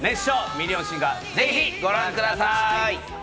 ミリオンシンガー』、ぜひご覧ください。